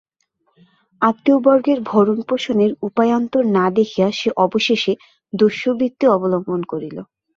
আত্মীয়বর্গের ভরণপোষণের উপায়ান্তর না দেখিয়া সে অবশেষে দস্যুবৃত্তি অবলম্বন করিল।